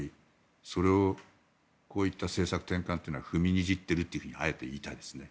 それをこういった政策転換というのは踏みにじっているとあえて言いたいですね。